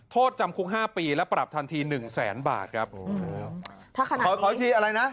โทษจำคุกห้าปีและปรับทันทีหนึ่งแสนบาทครับโอ้โหขอขออีกทีอะไรนะ